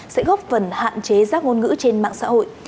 sẽ góp phần hạn chế rác ngôn ngữ trên mạng xã hội